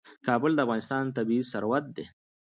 کابل د افغانستان طبعي ثروت دی.